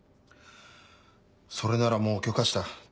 それならもう許可した。